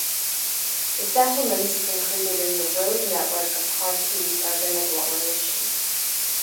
The settlement is included in the road network of Kharkiv urban agglomeration.